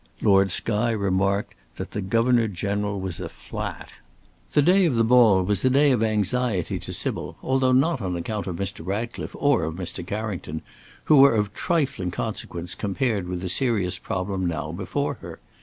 Lord Skye remarked that the Governor General was a flat. The day of the ball was a day of anxiety to Sybil, although not on account of Mr. Ratcliffe or of Mr. Carrington, who were of trifling consequence compared with the serious problem now before her.